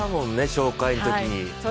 紹介のときに。